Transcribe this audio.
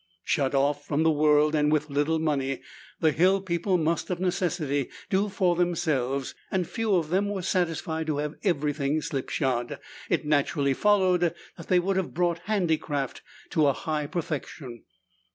Shut off from the world and with little money, the hill people must of necessity do for themselves, and few of them were satisfied to have everything slipshod. It naturally followed that they would have brought handicraft to a high perfection.